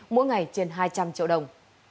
mỗi ngày trên hai trăm linh triệu đồng